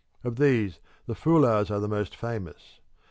Of these the Fulahs are the most famous.